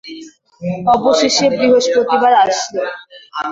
অবশেষে বৃহস্পতিবার আসল।